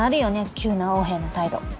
急な横柄な態度。